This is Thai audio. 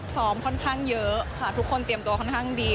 ค่อนข้างเยอะค่ะทุกคนเตรียมตัวค่อนข้างดี